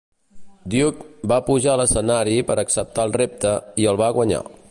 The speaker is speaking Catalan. Duke va pujar a l'escenari per acceptar el repte i el va guanyar.